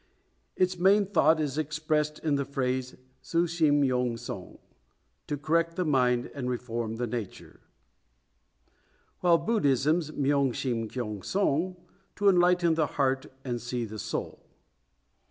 Its main thought is expressed in the phrase su sim yon song, "to correct the mind and reform the nature"; while Buddhism's is myong sim kyon song, "to enlighten the heart and see the soul."